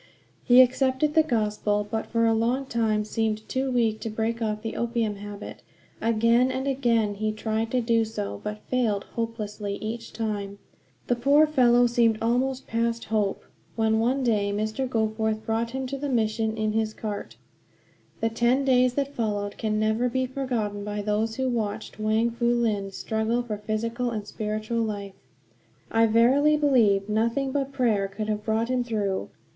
He accepted the Gospel, but for a long time seemed too weak to break off the opium habit. Again and again he tried to do so, but failed hopelessly each time. The poor fellow seemed almost past hope, when one day Mr. Goforth brought him to the mission in his cart. The ten days that followed can never be forgotten by those who watched Wang Fu Lin struggle for physical and spiritual life. I verily believe nothing but prayer could have brought him through.